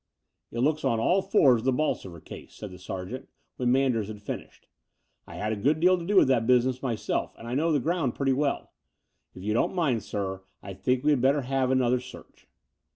"It looks on all fours with the Bolsover case," said the sergeant, when Manders had finished. I had a good deal to do with that business myself, and know the ground pretty well. If you don't mind, sir, I think we had better have another search."